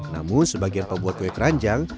namun sebagian pembuat kue keranjang